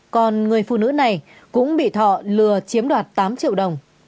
còn người phụ nữ này cũng bị thọ lừa chiếm đoạt tám triệu đồng